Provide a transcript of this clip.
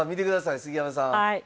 杉山さん。